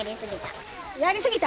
やりすぎた。